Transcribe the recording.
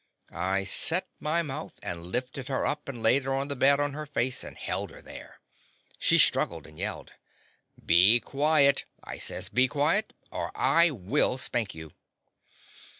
I set my mouth and lifted her up and laid her on the bed on her face and held her there. She struggled and yelled. "Be quiet!'' I says, 'T>e quiet, or I will spank you!"